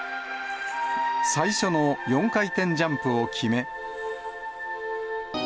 最初の４回転ジャンプを決め。